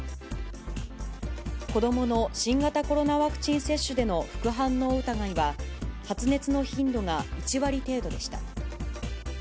子どもの新型コロナワクチン接種での副反応疑いは、発熱の頻度が１割程度でした。